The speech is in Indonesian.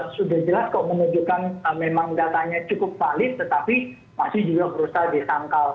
sudah jelas kok menunjukkan memang datanya cukup valid tetapi masih juga berusaha disangkal